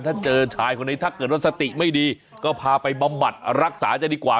ถ้าเจอชายคนนี้ถ้าเกิดว่าสติไม่ดีก็พาไปบำบัดรักษาจะดีกว่า